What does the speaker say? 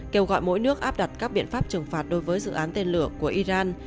kêu gọi mỗi nước áp đặt các biện pháp trừng phạt đối với dự án tên lửa của iran